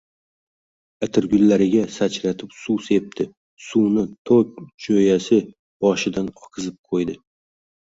Atirgullariga sachratib suv sepdi. Suvni tok jo‘yasi boshidan oqizib qo‘ydi.